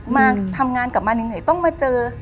มาทำงานกลับมาเหนื่อยต้องมาเจอ